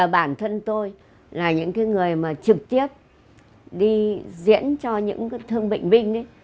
bản thân tôi là những cái người mà trực tiếp đi diễn cho những cái thương bệnh minh ấy